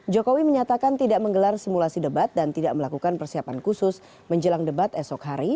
jokowi menyatakan tidak menggelar simulasi debat dan tidak melakukan persiapan khusus menjelang debat esok hari